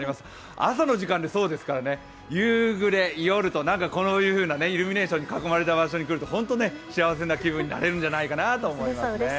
朝の時間でそうですから、夕暮れ、夜とこういうふうなイルミネーションに囲まれるとホント、幸せな気持ちになれるんじゃないかなと思います。